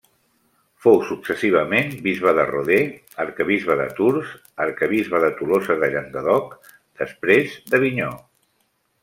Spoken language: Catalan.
Fou successivament bisbe de Rodez, arquebisbe de Tours, arquebisbe de Tolosa de Llenguadoc, després d'Avinyó.